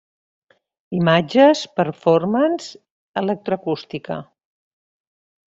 Imatges, Performance, Electroacústica.